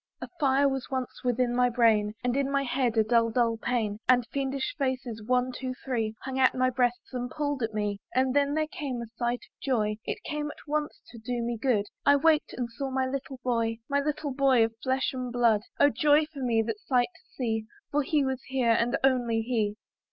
A fire was once within my brain; And in my head a dull, dull pain; And fiendish faces one, two, three, Hung at my breasts, and pulled at me. But then there came a sight of joy; It came at once to do me good; I waked, and saw my little boy, My little boy of flesh and blood; Oh joy for me that sight to see! For he was here, and only he.